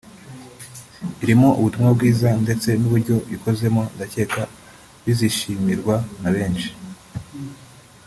irimo ubutumwa bwiza ndetse n’uburyo ikozemo ndakeka bizishimirwa na benshi